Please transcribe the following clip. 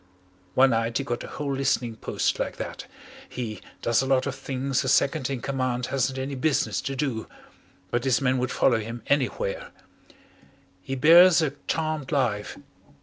One night he got a whole listening post like that. He does a lot of things a second in command hasn't any business to do, but his men would follow him anywhere. He bears a charmed life.